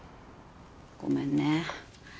ごめんね。